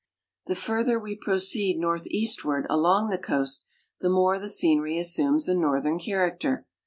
The further we proceed northeastward along the coast, the more the scenery assumes a northern character.